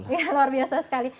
ya luar biasa sekali